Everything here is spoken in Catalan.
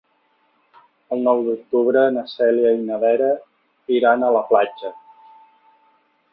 El nou d'octubre na Cèlia i na Vera iran a la platja.